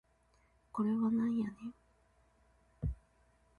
これはなんやねん